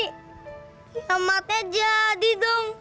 kiamatnya jadi dong